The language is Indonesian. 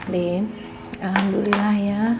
din alhamdulillah ya